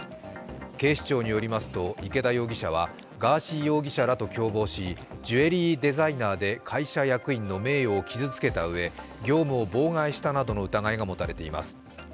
警視庁によりますと池田容疑者はガーシー容疑者らと共謀し、ジュエリーデザイナーで会社役員の男性の名誉を傷づけたうえ、業務を妨害したなどの疑いが持たれています。